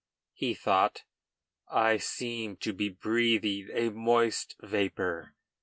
he thought; "I seem to be breathing a moist vapor."